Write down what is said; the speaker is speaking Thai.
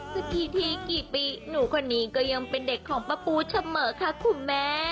สักกี่ทีกี่ปีหนูคนนี้ก็ยังเป็นเด็กของป้าปูเสมอค่ะคุณแม่